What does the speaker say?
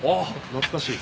懐かしい。